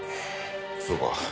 そうか。